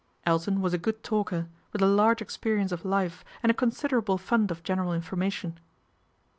Elton was a good talker, with a large experience of life and a considerable fund of general information.